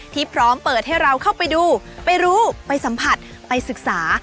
พร้อมเปิดให้เราเข้าไปดูไปรู้ไปสัมผัสไปศึกษา